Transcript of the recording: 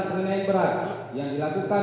mengenai berat yang dilakukan